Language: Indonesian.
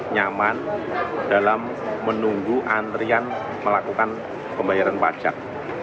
nyaman dalam menunggu antrian melakukan pembayaran pajak